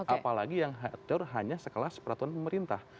apalagi yang atur hanya sekelas peraturan pemerintah